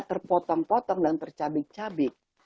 terpotong potong dan tercabik cabik